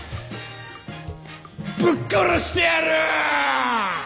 ぶっ殺してやるっ！